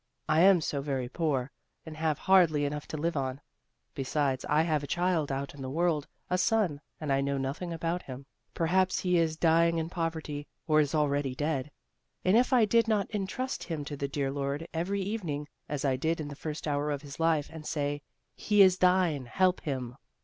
I am so very poor and have hardly enough to live on. Besides, I have a child out in the world, a son, and I know nothing about him; perhaps he is dying in poverty, or is already dead ; and if I did not entrust him to the dear Lord every evening, as I did in the first hour of his life, and say, 'He is Thine, help him!'